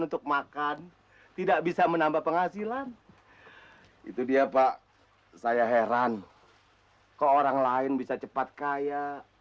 untuk makan tidak bisa menambah penghasilan itu dia pak saya heran kok orang lain bisa cepat kaya